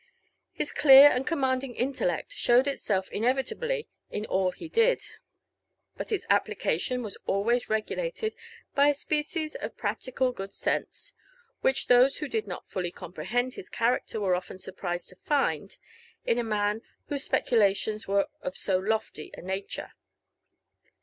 His clear and commanding intellect showed itself fn« evitably in all he did ; but its application was always regulated by a species of practical good sense, which those who did not fully com prehend his character were often surprised to find in a man whose spe culations were of so lofty a nature.